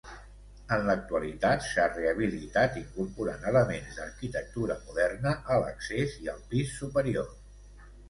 En l'actualitat s'ha rehabilitat incorporant elements d'arquitectura moderna a l'accés i al pis superior.